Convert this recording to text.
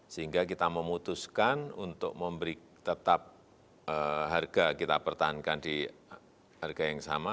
sehingga kita memutuskan untuk memberi tetap harga kita pertahankan di harga yang sama